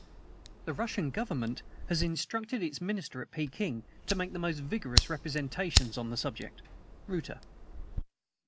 "The Russian Government has instructed its Minister at Peking to make the most vigorous representations on the subject." Reuter.